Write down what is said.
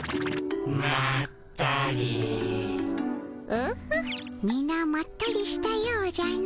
オホッみなまったりしたようじゃの。